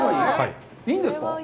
いいんですか？